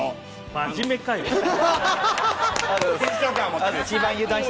真面目かよ。